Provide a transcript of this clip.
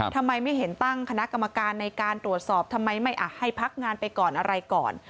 ทำไมไม่เห็นตั้งคณะกรรมการในการตรวจสอบทำไมไม่ให้พักงานไปก่อนอะไรก่อน